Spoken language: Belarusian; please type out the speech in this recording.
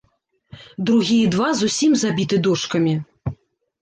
Другія два зусім забіты дошкамі.